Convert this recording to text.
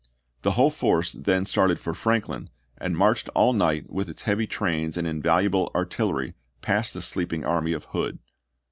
The whole force then started for Franklin, and marched all night with its heavy trains and invaluable artillery past the sleeping army of Hood.